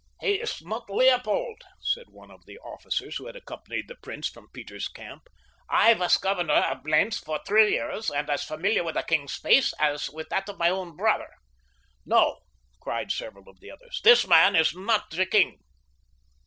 "He is not Leopold," said one of the officers who had accompanied the prince from Peter's camp. "I was governor of Blentz for three years and as familiar with the king's face as with that of my own brother." "No," cried several of the others, "this man is not the king."